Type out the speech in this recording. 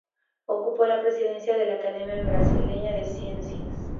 Ocupó la presidencia de la Academia Brasileña de Ciencias.